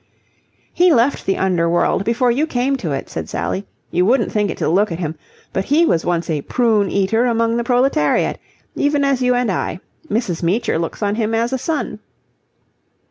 "He left the underworld before you came to it," said Sally. "You wouldn't think it to look at him, but he was once a prune eater among the proletariat, even as you and I. Mrs. Meecher looks on him as a son."